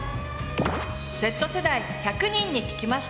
Ｚ世代１００人に聞きました。